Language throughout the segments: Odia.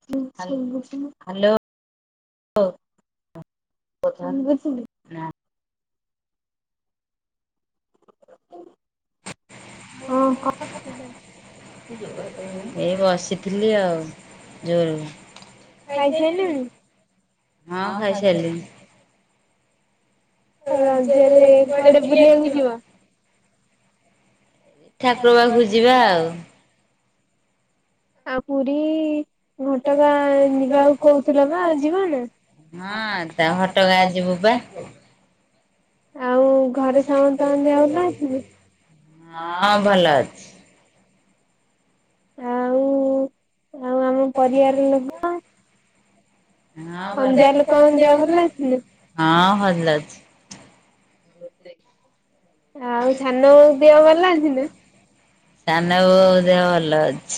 [inaudible] ହ୍ୟାଲୋ ଓ। [unintelligible] [unintelligible] ଏଇ ବସିଥିଲି ଆଉ ଜୋର ଖାଇସାରିଲଣି? ହଁ ଖାଇସାରିଲିଣି। ଆଉ ରଜରେ କୁଆଡେ ବୁଲିବାକୁ ଯିବା? ଠାକୁର ପାଖକୁ ଯିବା ଆଉ। ଆଉ ପୁରୀ ଘଟଗାଁ ଯିବାକୁ କହୁଥିଲ ନା, ଯିବ ନା? ହଁ ତା ଘଟଗାଁ ଯିବୁ ବା। ଆଉ ଘରେ ସମସ୍ତଙ୍କ ଦେହ [unintelligible] ହଁ ଭଲ ଅଛି। ଆଉ ଆଉ ଆମ ପରିବାର ଲୋକ? [unintelligible] ଦେହ ଭଲ ଅଛି ହଁ ଭଲ। [unintelligible] ଆଉ ସାନ ବୋଉ ଦେହ ଭଲ ଅଛି ନା? ଭଲ ଅଛି।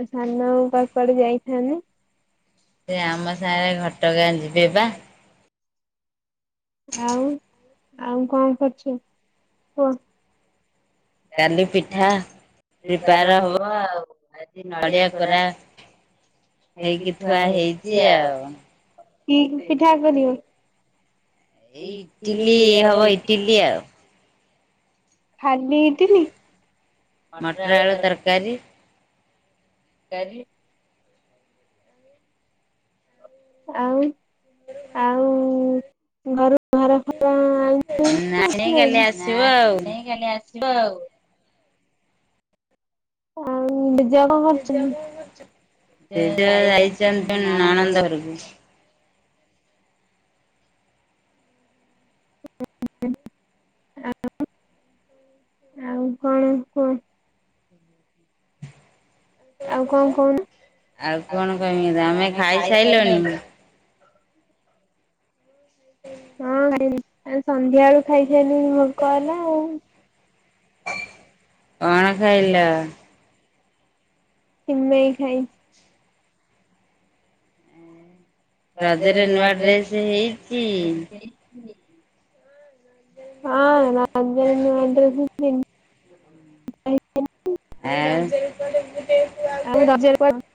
ଆ ସାନ ବୋଉ ପା କୁଆଡ଼େ ଯାଇଥାନ୍ତେ। ସେ ଆମ ସାଙ୍ଗରେ ଘଟଗାଁ ଯିବେ ବା। ଆଉ ଆଉ କଣ କରୁଛୁ କୁହ। କାଲି ପିଠା ପ୍ରିପାଆର ହବ ଆଉ ଆଜି ନଡ଼ିଆ କୋରା ହେଇକି ଥୁଆ ହେଇଛି ଆଉ କି ପିଠା କରିବ? ଏଇ ଇଟିଲି ହବ ଇଟିଲି ଆଉ। ଖାଲି ମଟର ଆଳୁ ତରକାରୀ। [unintelligible] ଆଉ ଆଉ ଘରୁ ଭାର ଫାର [unintelligible] ନାଁ ଆସିନାହିଁ କାଲି ଆସିବେ ଆଉ। ଆଉ ବିଜୟ କଣ କରୁଛି ସେ ଯାଇଛନ୍ତି ନଣନ୍ଦ ଘରୁକୁ। ଆଉ ଆଉ କଣ କୁହ। ଆଉ କଣ କହୁନ ଆଉ କଣ କହିବି ତମେ ଖାଇସାରିଲଣି? ହୁଁ। ହଁ [unintelligible] ସନ୍ଧ୍ୟା ବେଳୁ ଖାଇସାରଲିଣି ଭୋକ ହେଲା ଆଉ। କଣ ଖାଇଲ? ସିମେଇ ଖାଇଛି। ହଁ। ରଜରେ ନୂଆ ଡ୍ରେସ ହେଇଛି? ହଁ ରଜରେ ନୂଆ ଡ୍ରେସ ପିନ୍ଧି ଆଉ [unintelligible] ରଜରେ କୁଆଡ଼େ ବୁଲିବାକୁ [unintelligible]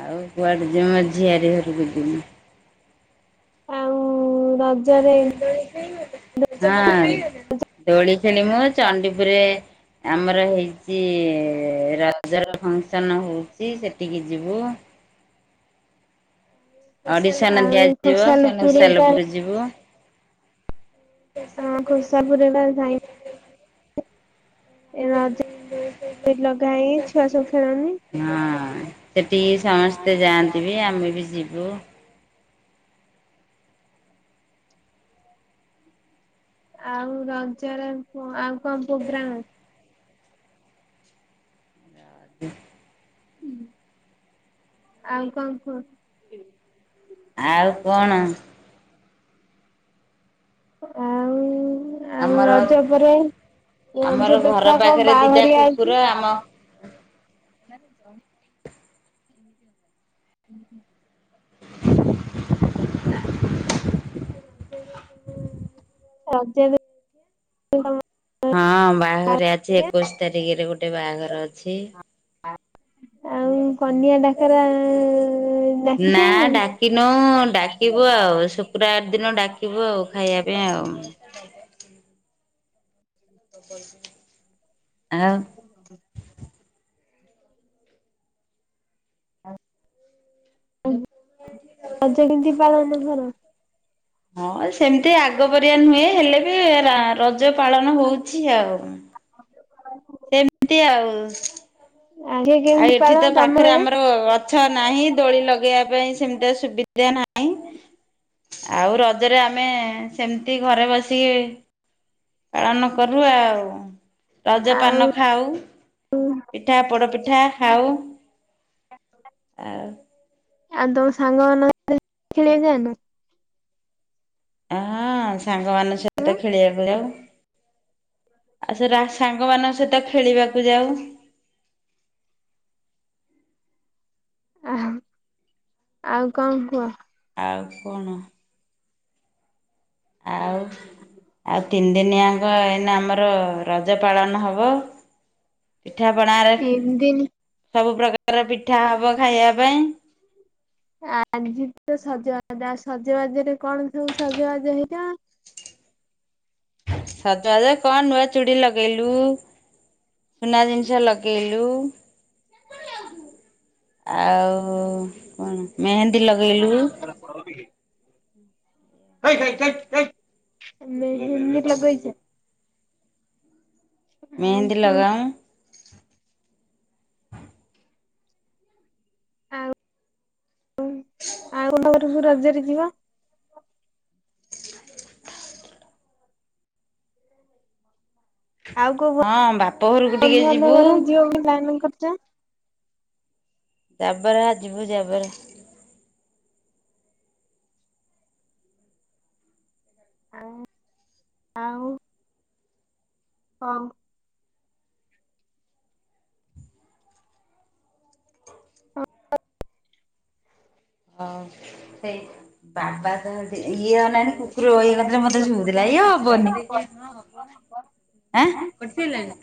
ଆଉ କୁଆଡ଼େ ଜିମି ଝିଆରୀ ଘରକୁ ଯିମି। ଆଉ ରଜ ରେ ଦୋଳି ଖେଳିବା ନା [unintelligible] ଦୋଳି ଖେଳିମୁୁ ଚଣ୍ଡିପୁରରେ ଆମର ହେଇଛି ରଜର ଫଂକ୍ସନ ହଉଛି ସେଠିକି ଯିବୁ। ଅଡ଼ିସନ ଦିଆଯିବ ଖୋଷାଲପୁର୍ ଯିବୁ। ହଁ ଖୋସାପୁରରେ ଏ ରଜ ଲଗାଏ ଛୁଆ ସବୁ ଖେଳନି। ହଁ ସେଠିକି ସମସ୍ତେ ଯାଆନ୍ତି ବି ଆମେ ବି ଯିବୁ। ଆଉ ରଜର ଆଉ କଣ ପ୍ରୋଗ୍ରାମ? ଆ [unintelligible] ହଁ ଆଉ କଣ କୁହ? ଆଉ କଣ? ଆଉ ଆଉ ରଜ ପରେ ରଜ [unintelligible] ବାହାଘର ଅଛି। ନା [unintelligible] [inaudible] [inaudible] ହଁ। ହ [unintelligible] ହଁ ବାହାଘରିଆ ଅଛି ଏକୋଇଶି ତାରିଖରେ ଗୋଟେ ବାହାଘର ଅଛି। ଆଉ କନିଆ ଡାକରା ଡାକିସାଇଲଣି। ଲାଷ୍ଟ ଦିନ ଡାକିବୁ ଆଉ ଖାଇବା ପାଇଁ ଆଉ। ଆଉ [inaudible] ରଜ କେମିତି ପାଳନ କର? ହଁ ସେମିତି ଆଗ ପରିଆ ନୁହେଁ ହେଲେ ବି ରଜ ପାଳନ ହଉଛି ଆଉ। ଆ [unintelligible] ସେମିତି ଆଉ। ଆଉ ଏଠି ତ ପାଖରେ ଆମର ରଜ ଗଛ ନାହିଁ ଦୋଳି ଲଗେଇବା ପାଇଁ ସେମିତିଆ ସୁବିଧା ନାହିଁ। ଆଉ ରଜରେ ଆମେ ସେମତି ଘରେ ବସିକି ପାଳନ କରୁ ଆଉ ରଜପାନ ଖାଉ। ଉଁ ହୁଁ। ପିଠା, ପୋଡ଼ପିଠା ଖାଉ ଆଉ ଆଉ ତମ ସାଙ୍ଗ ମାନଙ୍କ ଖେଳିବାକୁ ଯାଇନ। ଅ ହଁ ସାଙ୍ଗ ମାନଙ୍କ ସହିତ ଖେଳିବାକୁ ଯାଉ। ଆଉ ସେ ରା ସାଙ୍ଗମାନଙ୍କ ସହିତ ଖେଳିବାକୁ ଯାଉ। ଆ ହଁ ଆଉ କଣ କୁହ? ଆଉ କଣ? ହୁଁ [inaudible] ଆଉ ତିନି ଦିନି ଆଙ୍କ ଏଇନା ଆମର ରଜ ପାଳନ ହବ। ପିଠା ପଣାରେ ସବୁ ପ୍ରକାରର ପିଠା ହବ ଖାଇବା ପାଇଁ। ଆଁଜି ତ ସଜବାଜ ସଜବାଜରେ କଣ ସବୁ ସଜବାଜ ହେଇଚ? ସଜବାଜ କଣ ନୂଆ ଚୁଡି ଲଗେଇଲୁ। ସୁନା ଜିନିଷ ଲଗେଇଲୁ। ଆଉ କଣ ମେହେନ୍ଦୀ ଲଗେଇଲୁ। [unintelligible] ହେଇ ହେଇ ଛେଇ ଛେଇ ମେହେନ୍ଦି ଲଗେଇଚ? ମେହେନ୍ଦୀ ଲଗାଉଁ। ଆଉ ଆଉ [unintelligible] ରଜରେ ଯିବ ଆଉ କୋଉ ବନ୍ଧୁ ବନ୍ଧୁ ବାନ୍ଧବ ଘରକୁ ଯିବ ବୋଲି ପ୍ଲାନିଂ କରିଚ? ତାବରା ଯିବୁ ଯାବରା। ଆଉ ଆଉ ହଁ। ହଁ [inaudible] ହଁ ସେଇ ବାବା ତ ଇଏ ଅନାନି କୁକୁର ପରିକା କରୁଥିଲେ ମତେ ଶୁଭୁଥିଲା ଇଏ ହବନି। ଇଏ ହଁ ହବ ଆଁ ପସିଗଲାଣି